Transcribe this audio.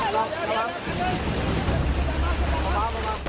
ระวังระวัง